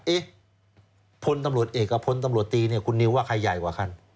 เอ๊ะพลตำรวจเอกกับพลตำรวจตีเนี่ยคุณนิวว่าใครใหญ่กว่าคัน